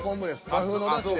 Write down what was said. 和風のだしで。